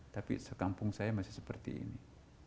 tapi sekampung saya masih seperti ini